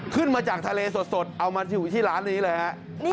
ขึ้นมาจากทะเลสดเอามาอยู่ที่ร้านนี้เลยฮะ